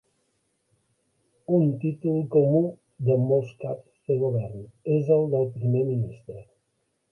Un títol comú de molts caps de govern és el de primer ministre.